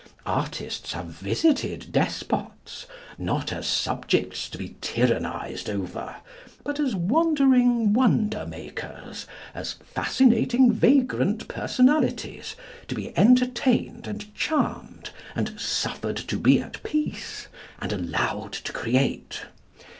Artists have visited despots, not as subjects to be tyrannised over, but as wandering wonder makers, as fascinating vagrant personalities, to be entertained and charmed and suffered to be at peace, and allowed to create.